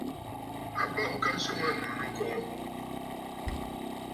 A bɔŋ ka swɔŋ ànnù nɨkoŋǝ̀.